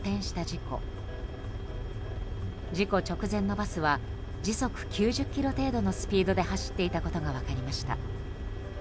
事故直前のバスは時速９０キロ程度のスピードで走っていたことが分かりました。